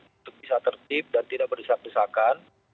untuk bisa tertib dan tidak berdesak desakan